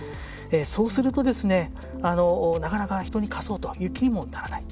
そうすると、なかなか人に貸そうという気にもならない。